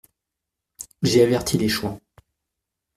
J'ai averti les chouans.